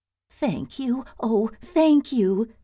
"Thank you, oh, thank you!"